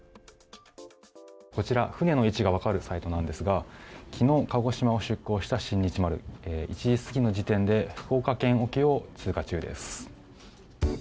こちら、船の位置が分かるサイトなんですが昨日鹿児島を出航した「新日丸」１時過ぎの時点で福岡県沖を通過中です。